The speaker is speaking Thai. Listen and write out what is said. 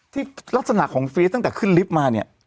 ที่ลักษณะของเฟสตั้งแต่ขึ้นลิฟต์มาเนี่ย